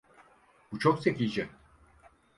Bu çok zekice.